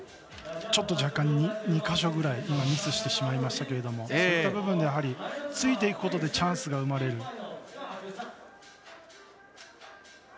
ちょっと若干２か所ぐらいミスしてしまいましたがそういった部分でついていくことでチャンスが生まれる。